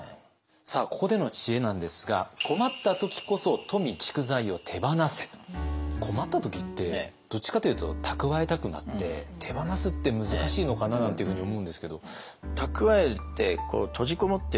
さあここでの知恵なんですが困った時ってどっちかというと蓄えたくなって手放すって難しいのかななんていうふうに思うんですけど。